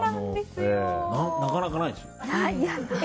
なかなかないんですよ。